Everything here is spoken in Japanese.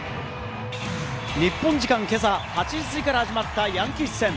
日本時間今朝８時すぎから始まったヤンキース戦。